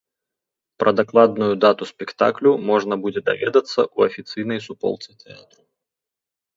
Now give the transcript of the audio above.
Пра дакладную дату спектаклю можна будзе даведацца ў афіцыйнай суполцы тэатру.